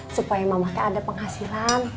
supaya mamahnya ada penghasilan